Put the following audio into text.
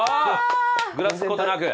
ぐらつくことなく。